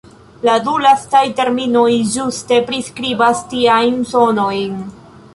La du lastaj terminoj ĝuste priskribas tiajn sonojn.